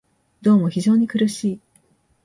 どうも非常に苦しい